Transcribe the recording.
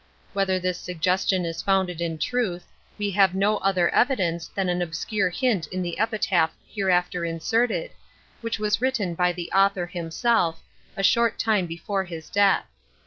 Whether this suggestion is founded in truth, we have no other evidence than an obscure hint in the epitaph hereafter inserted, which was written by the author himself, a short time before his death.